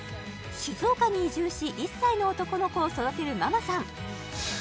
静岡に移住し１歳の男の子を育てるママさん